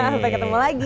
sampai ketemu lagi